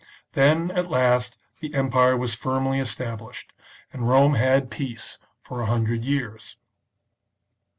Then, at last, the empire was firmly established, and Rome had peace for a hundred years.